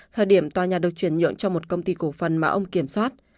thời điểm tòa nhà được chuyển nhượng cho một công ty cổ phần mà ông kiểm soát